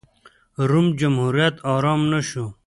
روم جمهوریت ارام نه شو.